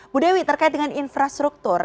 bu dewi terkait dengan infrastruktur